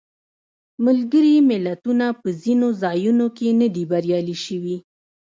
ملګري ملتونه په ځینو ځایونو کې نه دي بریالي شوي.